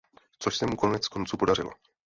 Což se mu konec konců podařilo.